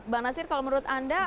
bang nasir kalau menurut anda